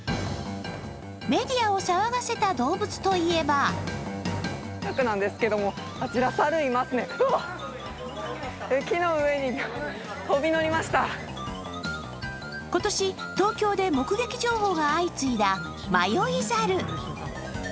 メディアを騒がせた動物といえば今年、東京で目撃情報が相次いだ迷い猿。